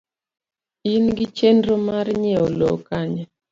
In gi chenro mar nyieo lowo Kanye?